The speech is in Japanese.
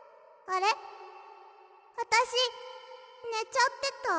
あたしねちゃってた？